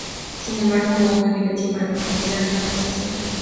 Sin embargo, no hubo evidencia para profundizar en la acusación.